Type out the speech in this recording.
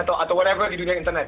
atau weara di dunia internet